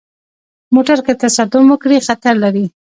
موټر که تصادم وکړي، خطر لري.